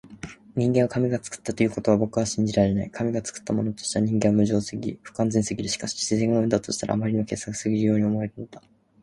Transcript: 人間は神が創ったということは僕は信じられない。神が創ったものとしては人間は無情すぎ、不完全すぎる。しかし自然が生んだとしたら、あまりに傑作すぎるように思えるのだ。